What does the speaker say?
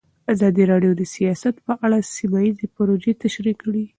ازادي راډیو د سیاست په اړه سیمه ییزې پروژې تشریح کړې.